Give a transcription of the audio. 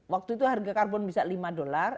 waktu itu harga karbon bisa lima dolar